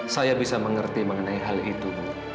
saya bisa mengerti mengenai hal itu